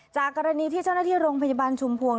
จากกรณีที่เจ้าหน้าที่โรงพยาบาลชุมพวง